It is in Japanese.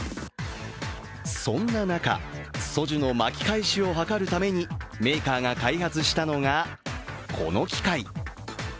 そんな中、ソジュの巻き返しを図るためにメーカーが開発したのがこの機械。